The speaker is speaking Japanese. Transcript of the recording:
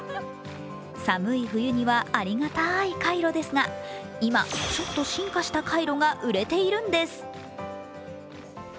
寒い冬にはありがたいカイロですが今、ちょっと進化したカイロが売れているんです。